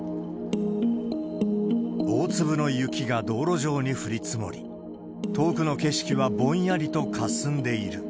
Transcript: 大粒の雪が道路上に降り積もり、遠くの景色はぼんやりとかすんでいる。